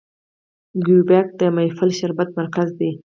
کیوبیک د میپل شربت مرکز دی.